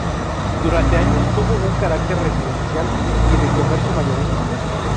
Durante años tuvo un carácter residencial y de comercio mayorista.